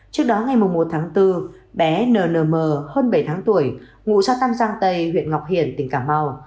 trước đó ngày một một bốn bé nnm hơn bảy tháng tuổi ngụ sở tam giang tây huyện ngọc hiển tỉnh cà mau